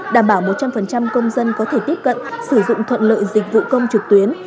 đảm bảo một trăm linh công dân có thể tiếp cận sử dụng thuận lợi dịch vụ công trực tuyến